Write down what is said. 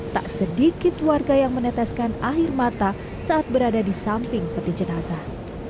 tak sedikit warga yang meneteskan air mata saat berada di samping peti jenazah